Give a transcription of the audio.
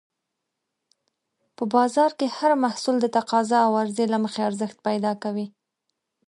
په بازار کې هر محصول د تقاضا او عرضې له مخې ارزښت پیدا کوي.